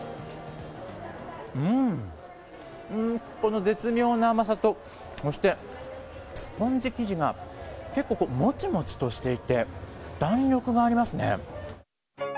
この絶妙な甘さとそしてスポンジ生地が結構もちもちとしていて弾力がありますね。